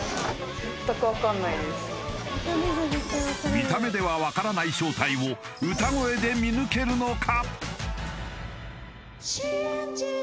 見た目では分からない正体を歌声で見抜けるのか？